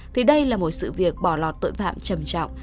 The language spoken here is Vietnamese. thì đây là một sự việc bỏ lọt tội phạm trầm trọng